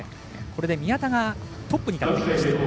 これで宮田がトップに立ってきました。